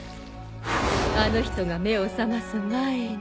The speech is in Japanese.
あの人が目を覚ます前に。